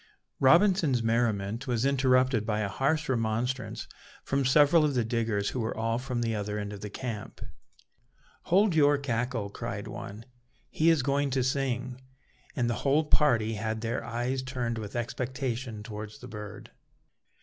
Robinson's merriment was interrupted by a harsh remonstrance from several of the diggers, who were all from the other end of the camp. "Hold your cackle," cried one, "he is going to sing;" and the whole party had their eyes turned with expectation towards the bird.